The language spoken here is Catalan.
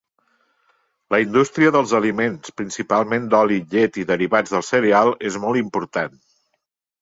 La indústria dels aliments, principalment d'oli, llet i derivats del cereal és molt important.